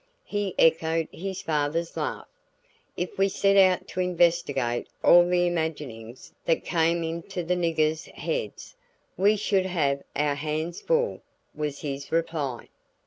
He echoed his father's laugh. If we set out to investigate all the imaginings that came into the niggers' heads we should have our hands full, was his reply.